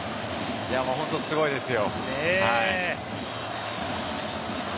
本当、すごいですよ。